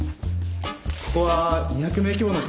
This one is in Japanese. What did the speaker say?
ここは２００名規模の。